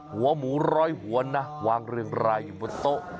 หัวหมูร้อยหัวนะวางเรียงรายอยู่บนโต๊ะ